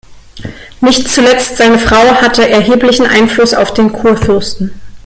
Nicht zuletzt seine Frau hatte erheblichen Einfluss auf den Kurfürsten.